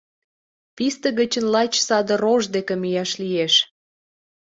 Писте гычын лач саде рож деке мияш лиеш.